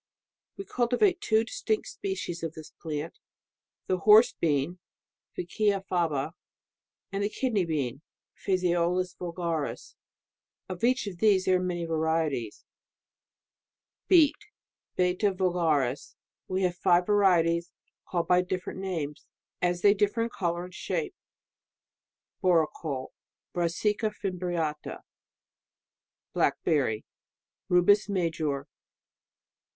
We cultivate two distinct species of this plant, the Horse bean ... Vicia faba. and the Kidney bean . Phaseolus vulgaris. [of each of these there are many varieties.] Beet Beta vulgaris. [We have five varieties, call ed by different names, as they differ in colour and shape.] Borecole .... Brassica fimbriata. Black berry ... Rubus major.